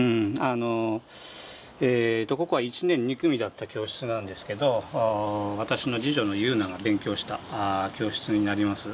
あのえっとここは１年２組だった教室なんですけど私の次女の汐凪が勉強した教室になります。